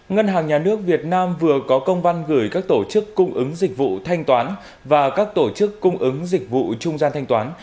ngân hàng nhà nước việt nam vừa có công văn gửi các tổ chức cung ứng dịch vụ thanh toán và các tổ chức cung ứng dịch vụ trung gian thanh toán